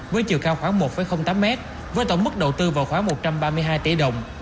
với chiều cao khoảng một tám mét với tổng mức đầu tư vào khoảng một trăm ba mươi hai tỷ đồng